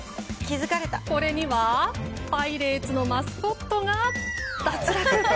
これにはパイレーツのマスコットが脱落。